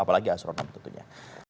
apalagi astronom tentunya